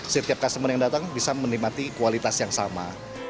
setiap customer yang datang bisa menikmati kualitas yang sama